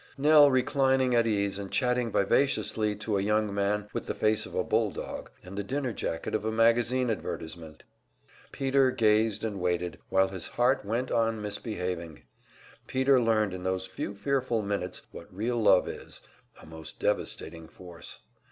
Nell reclining at ease and chatting vivaciously to a young man with the face of a bulldog and the dinner jacket of a magazine advertisement! Peter gazed and waited, while his heart went on misbehaving. Peter learned in those few fearful minutes what real love is, a most devastating force.